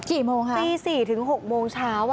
กี่โมงค่ะปี๔๖โมงเช้าค่ะ